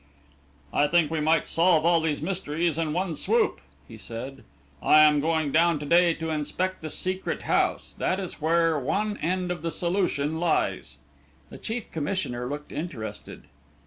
"I think we might solve all these mysteries in one swoop," he said. "I am going down to day to inspect the Secret House that is where one end of the solution lies." The Chief Commissioner looked interested.